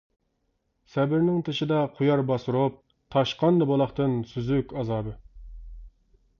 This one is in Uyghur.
سەبرىنىڭ تېشىدا قويار باسۇرۇپ، تاشقاندا بۇلاقتىن سۈزۈك ئازابى.